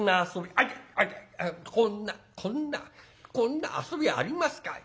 「アイテッアイテッこんなこんなこんな遊びありますかい。